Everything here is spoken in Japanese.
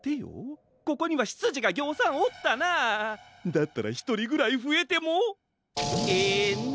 だったらひとりぐらいふえてもエナ。